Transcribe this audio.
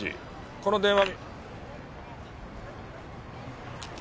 この電話。